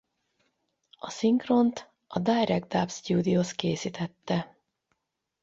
A szinkront a Direct Dub Studios készítette.